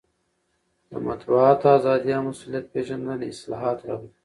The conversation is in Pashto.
د مطبوعاتو ازادي او مسوولیت پېژندنه اصلاحات راولي.